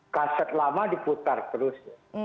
kaset lama diputar terus